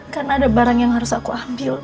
karena ada barang yang harus aku ambil